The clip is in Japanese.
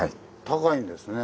高いんですね。